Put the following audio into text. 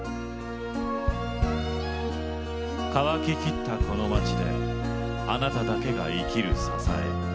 乾ききったこの街であなただけが生きる支え。